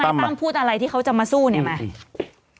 ตั้มพูดอะไรที่เขาจะมาสู้เนี่ยไหม